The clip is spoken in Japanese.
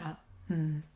うん。